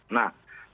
nah hari ini